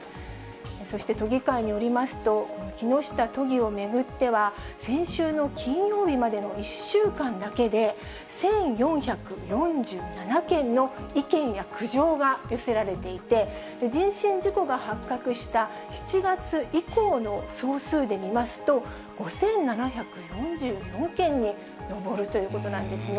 そして都議会によりますと、木下都議を巡っては、先週の金曜日までの１週間だけで、１４４７件の意見や苦情が寄せられていて、人身事故が発覚した７月以降の総数で見ますと、５７４４件に上るということなんですね。